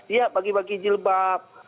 dia bagi bagi jilbab